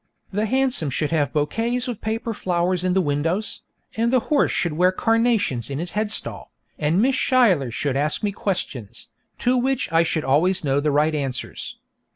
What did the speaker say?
The hansom should have bouquets of paper flowers in the windows, and the horse should wear carnations in his headstall, and Miss Schuyler should ask me questions, to which I should always know the right answers.